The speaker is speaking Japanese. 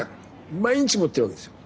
毎日持ってるわけですよ。